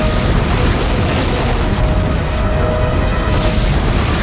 negara lain lagi